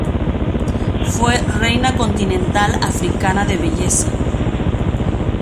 Fue Reina Continental africana de Belleza.